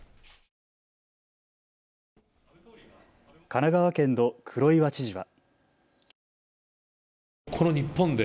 神奈川県の黒岩知事は。